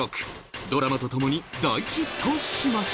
ドラマとともに大ヒットしました